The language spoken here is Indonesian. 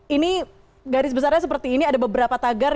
ini garis besarnya seperti ini ada beberapa tagar